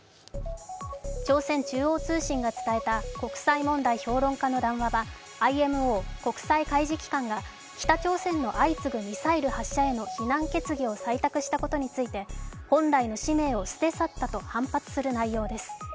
朝鮮中央通信が伝えた国際問題評論家の談話はＩＭＯ＝国際海事機関が北朝鮮の相次ぐミサイル発射への非難決議を採択したことについて、本来の使命を捨て去ったと反発する内容です。